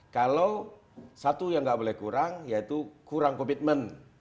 kalau satu yang nggak boleh kurang yaitu kurang komitmen